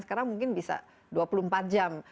sekarang mungkin bisa dua puluh empat jam